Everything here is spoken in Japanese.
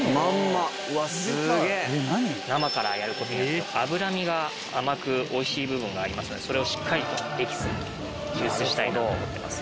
生からやることによって脂身が甘くおいしい部分がありますのでそれをしっかりとエキスに抽出したいなと思ってます。